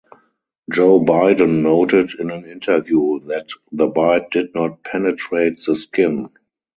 Joe Biden noted in an interview that the bite did not penetrate the skin.